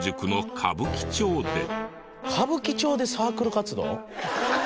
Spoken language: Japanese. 歌舞伎町でサークル活動？